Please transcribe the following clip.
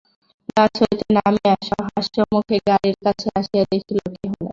গাছ হইতে নামিয়া সহাস্যমুখে গাড়ির কাছে আসিয়া দেখিল, কেহ নাই।